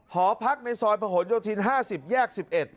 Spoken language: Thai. หอพักในซอยประหลโยธิน๕๐แยก๑๑